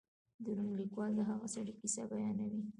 د روم لیکوال د هغه سړي کیسه بیانوي.